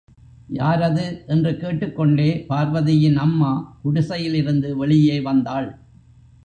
யாரது? என்று கேட்டுக்கொண்டே பார்வதியின் அம்மா குடிசையிலிருந்து வெளியே வந்தாள்.